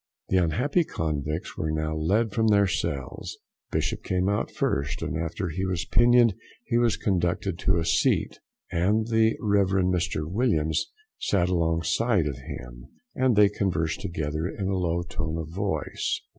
The unhappy convicts were now led from their cells. Bishop came out first, and after he was pinioned he was conducted to a seat, and the Rev. Mr. Williams sat alongside of him, and they conversed together in a low tone of voice.